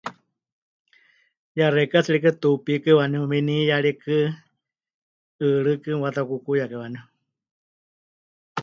Yaxeikɨ́a tsɨ rikɨ tuupíkɨ́ waníu, winiyarikɨ, 'ɨɨrɨ́kɨ mepɨwatakukuyakai waníu.